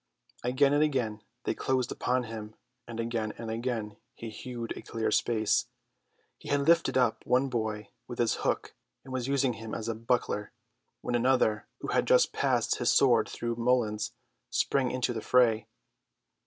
Again and again they closed upon him, and again and again he hewed a clear space. He had lifted up one boy with his hook, and was using him as a buckler, when another, who had just passed his sword through Mullins, sprang into the fray.